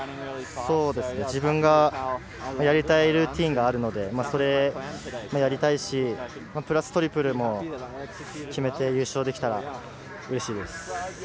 自分がやりたいルーティーンがあるのでそれをやりたいし、プラス、トリプルも決めて優勝できたら、うれしいです。